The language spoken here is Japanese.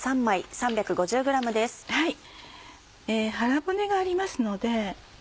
腹骨がありますので。